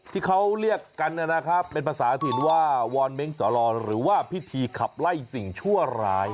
ที่เขาเรียกกันนะครับเป็นภาษาถิ่นว่าวอนเม้งสอลอหรือว่าพิธีขับไล่สิ่งชั่วร้าย